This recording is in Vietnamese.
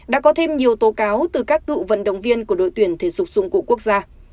đã có thêm nhiều tố cáo từ các cựu vận động viên của đội tuyển thể dục dụng cụ quốc gia